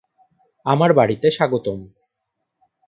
আমার বাড়িতে স্বাগতম।